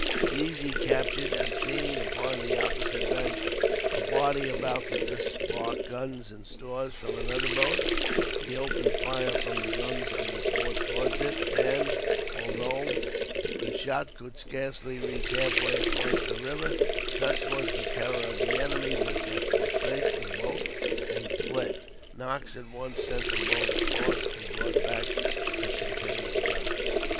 These he captured; and seeing, upon the opposite bank, a party about to disembark guns and stores from another boat, he opened fire from the guns of the fort towards it; and, although the shot could scarcely reach halfway across the river, such was the terror of the enemy that they forsook the boat, and fled. Knox at once sent a boat across, and brought back that containing the guns.